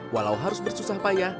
walau harus bersusah hati